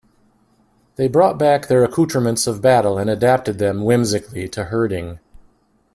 They brought back their accoutrements of battle and adapted them, whimsically, to herding.